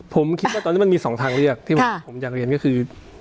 ผมคิดว่าตอนนี้มันมี๒ทางเลือกที่ผมอยากเรียนก็คือ